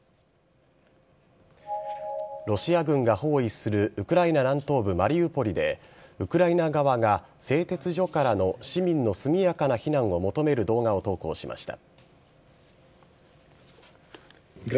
ロシア軍が包囲するウクライナ南東部・マリウポリでウクライナ側が製鉄所からの市民の速やかな避難を求める動画を投稿しました。